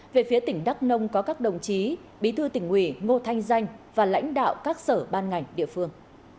về phía tỉnh đắk nông có các đồng chí bí thư tỉnh ủy ngô thanh danh và lãnh đạo các sở ban ngành địa phương